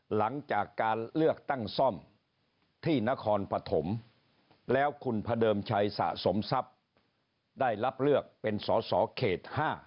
หลังจากการเลือกตั้งซ่อมที่นครปฐมแล้วคุณพระเดิมชัยสะสมทรัพย์ได้รับเลือกเป็นสอสอเขต๕